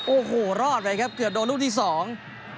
โอ้โหรอดไปครับเกือบโดนลูกที่สอง